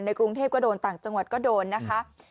กรุงเทพก็โดนต่างจังหวัดก็โดนนะคะ